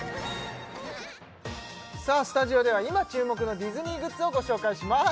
さあスタジオでは今注目のディズニーグッズをご紹介します